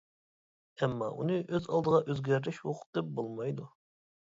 ئەمما ئۇنى ئۆز ئالدىغا ئۆزگەرتىش ھوقۇقى بولمايدۇ.